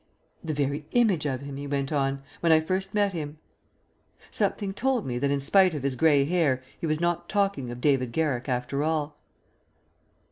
"The very image of him," he went on, "when first I met him." Something told me that in spite of his grey hair he was not talking of David Garrick after all.